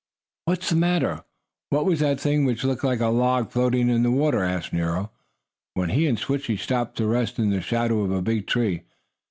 "What's the matter? What was that thing which looked like a log floating in the water?" asked Nero, when he and Switchie stopped to rest in the shadow of a big tree.